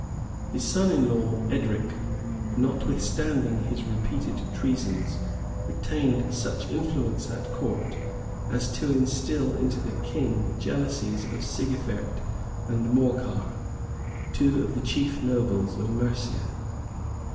His son in law Edric, notwithstanding his repeated treasons, retained such influence at court, as to instil into the king jealousies of Sigefert and Morcar, two of the chief nobles of Mercia.